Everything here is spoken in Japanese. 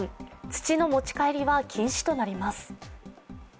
土の持ち帰りは禁止となります。